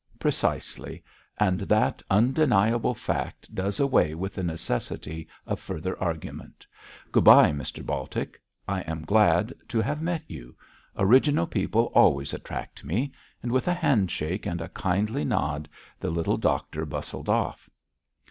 'Precisely; and that undeniable fact does away with the necessity of further argument. Good bye, Mr Baltic. I am glad to have met you; original people always attract me,' and with a handshake and a kindly nod the little doctor bustled off.